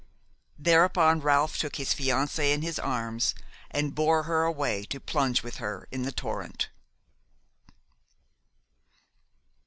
Thereupon Ralph took his fiancée in his arms and bore her away to plunge with her in the torrent.